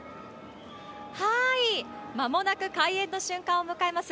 まもなく開園の瞬間を迎えます